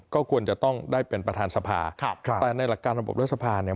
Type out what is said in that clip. ก็ควรจะต้องได้เป็นประธานสภาครับแต่ในหลักการระบบรัฐสภาเนี่ย